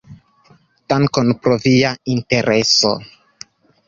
Dankon pro via intereso!